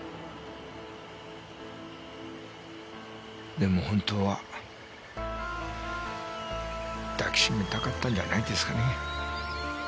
でも本当は抱きしめたかったんじゃないですかね。